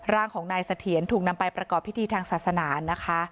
ร่างของนายเสถียรถูกนำไปประกอบพิธีทางศาสนานะคะ